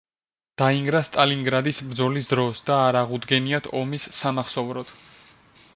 დაინგრა სტალინგრადის ბრძოლის დროს და არ აღუდგენიათ ომის სამახსოვროდ.